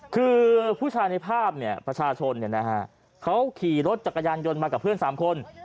คือผู้ชายในภาพเนี่ยประชาชนเขาขี่รถจักรยานยนต์มากับเพื่อน๓คน